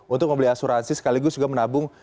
untuk membeli asuransi sekaligus juga menabung